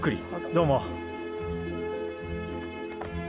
どうも。